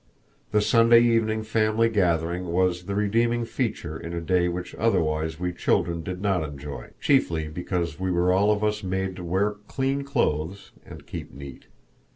The Sunday evening family gathering was the redeeming feature in a day which otherwise we children did not enjoy chiefly because we were all of us made to wear clean clothes and keep neat.